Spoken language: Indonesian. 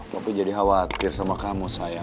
tapi jadi khawatir sama kamu saya